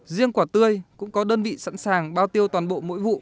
riêng quả tươi cũng có đơn vị sẵn sàng bao tiêu toàn bộ mỗi vụ